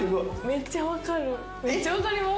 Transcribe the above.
めっちゃ分かります。